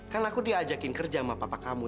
kan aku diajakin kerja sama papa kamu